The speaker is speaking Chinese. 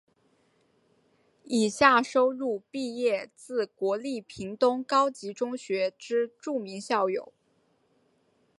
以下收录毕业自国立屏东高级中学之著名校友。